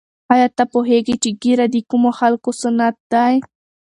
آیا ته پوهېږې چې ږیره د کومو خلکو سنت دی؟